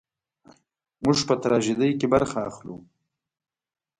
موږ په تراژیدۍ کې برخه اخلو.